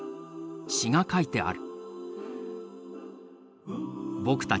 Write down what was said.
詩が書いてある。